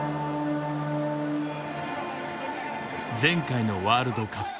前回のワールドカップ。